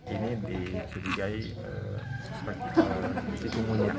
ini disudikai suspek cikungunya